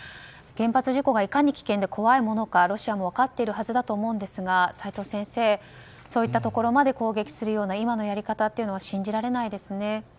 原発事故がいかに危険で怖いものかロシアも分かっているはずだと思うんですが齋藤先生、そういったところまで攻撃するような今のやり方というのは信じられないですね。